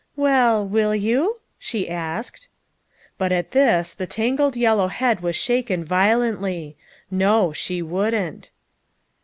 " Well, will you?" she asked. But at this the tangled yellow head was shaken violently. No, she wouldn't.